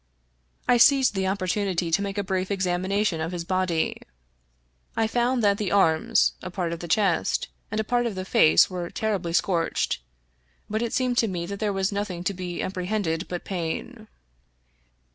I seized the opportunity to make a brief examination of his body. I found that the arms, a part of the chest, and a part of the face were terribly scorched ; but it seemed to me that there was nothing to be apprehended but pain.